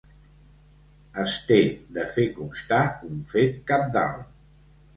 Es té de fer constar un fet cabdal